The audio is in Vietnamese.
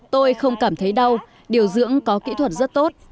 tôi không cảm thấy đau điều dưỡng có kỹ thuật rất tốt